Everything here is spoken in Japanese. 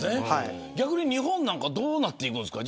日本なんかどうなっていくんですか。